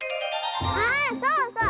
あそうそう！